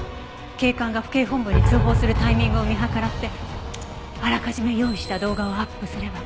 警官が府警本部に通報するタイミングを見計らってあらかじめ用意した動画をアップすれば。